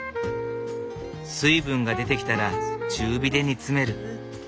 水分が出てきたら中火で煮詰める。